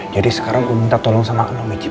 jadi sekarang gue minta tolong sama kamu miji